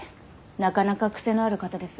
なかなか癖のある方です。